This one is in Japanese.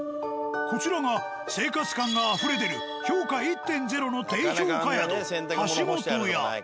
こちらが生活感があふれ出る評価１．０の低評価宿「橋本屋」。